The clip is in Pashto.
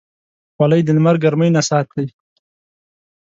خولۍ د لمر ګرمۍ نه ساتي.